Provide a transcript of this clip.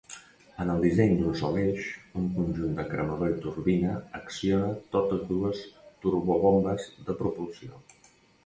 En el disseny d'un sol eix, un conjunt de cremador i turbina acciona totes dues turbobombes de propulsió.